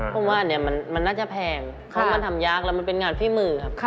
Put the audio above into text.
ผมว่าอันนี้มันน่าจะแพงเพราะมันทำยากแล้วมันเป็นงานฝีมือครับ